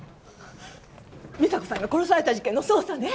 美沙子さんが殺された事件の捜査ね！？